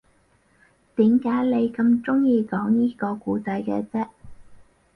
點解你咁鍾意講依個故仔嘅啫